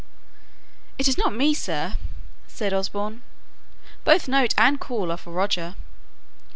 "It is not me, sir!" said Osborne. "Both note and call are for Roger."